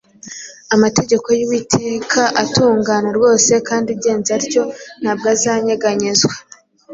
Amategeko y’Uwiteka atungana rwose” kandi “ugenza atyo ntabwo azanyeganyezwa.